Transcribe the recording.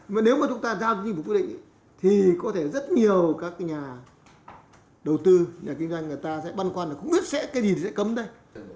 mà nếu mà chúng ta giao cho chính phủ quyết định thì có thể rất nhiều các nhà đầu tư nhà kinh doanh người ta sẽ băn khoăn là không biết sẽ cái gì thì sẽ cấm đây